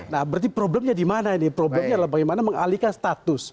nah berarti problemnya di mana ini problemnya adalah bagaimana mengalihkan status